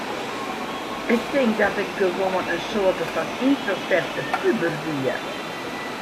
Ik tink dat ik gewoan in soarte fan yntroverte puber wie.